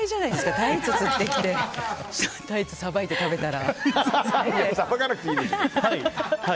タイツ釣ってきてさばいて食べたら。